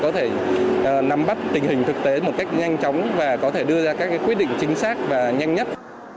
có thể nắm bắt tình hình thực tế một cách nhanh chóng và có thể đưa ra các quyết định chính xác và nhanh nhất